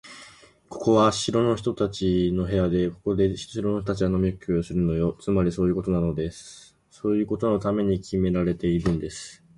ここは城の人たちの部屋で、ここで城の人たちが飲み食いするのよ。つまり、そういうことのためにきめられているんです。